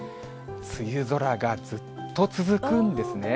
梅雨空がずっと続くんですね。